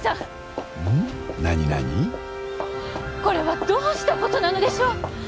これはどうしたことなのでしょう